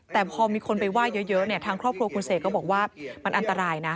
ทางครอบครัวของคุณเสกเขาบอกว่ามันอันตรายนะ